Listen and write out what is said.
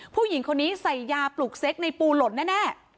ผู้หญิงคนนี้ใส่ยาปลุกเซ็กในปูหล่นแน่